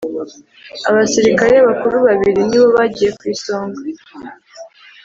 abasirikari bakuru babiri nibo bagiye ku isonga